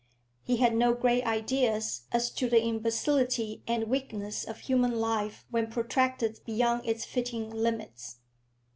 He had no great ideas as to the imbecility and weakness of human life when protracted beyond its fitting limits.